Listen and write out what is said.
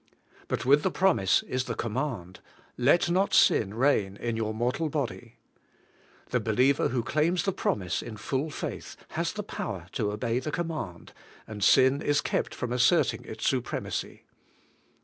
But with the promise is the command : 'Let not sin reign in your mortal body.' The believer who claims the promise in full faith has the power to obey the command, and sin is kept from asserting its supremacy.